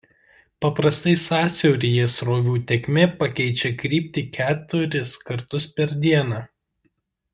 Paprastai sąsiauryje srovių tėkmė pakeičia kryptį keturis kartus per dieną.